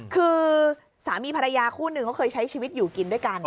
คือสามีภรรยาคู่นึงเขาเคยใช้ชีวิตอยู่กินด้วยกัน